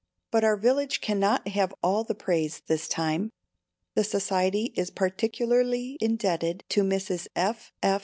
But our village cannot have all the praise this time. The Society is particularly indebted to Mr. F. F.